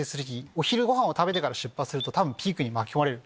お昼ご飯を食べてから出発するとピークに巻き込まれる。